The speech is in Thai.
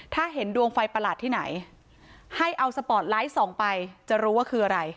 ถ้าเห็นดวงไฟประหลาดที่ไหนให้เอาสปอร์ตไลท์ส่องไปจะรู้ว่าคืออะไร